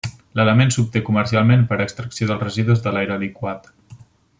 L'element s'obté comercialment per extracció dels residus de l'aire liquat.